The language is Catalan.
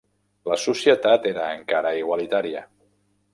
La societat era encara igualitària.